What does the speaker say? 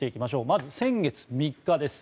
まず先月３日です。